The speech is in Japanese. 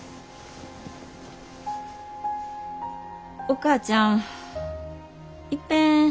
お母ちゃんいっぺん家帰るわ。